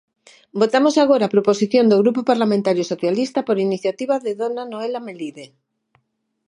Votamos agora a proposición do Grupo Parlamentario Socialista, por iniciativa de dona Noela Melide.